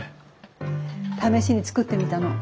試しに作ってみたの。